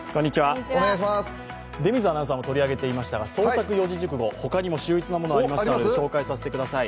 出水アナウンサーも取り上げていましたが創作四字熟語他にも秀逸なものがありましたので紹介させてください。